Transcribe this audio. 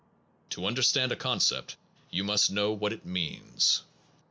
To understand a concept you must know what it means.